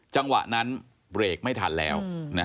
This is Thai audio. จังหวะนั้นเบรกไม่ทันแล้ว